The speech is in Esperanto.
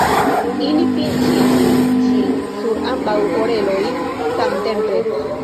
Ili pinĉis ĝin sur ambaŭ oreloj samtempe.